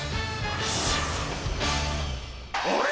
あれ！